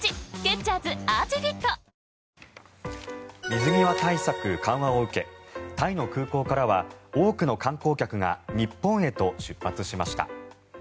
水際対策緩和を受けタイの空港からは多くの観光客が日本へと出発しました。